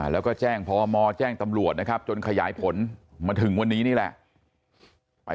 แล้วก็แจ้งพมแจ้งตำรวจนะครับจนขยายผลมาถึงวันนี้นี่แหละ